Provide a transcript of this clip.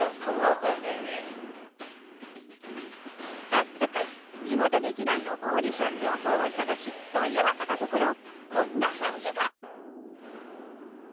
早速地元劇団のオーディション情報を探し問い合わせたところこんな返事が。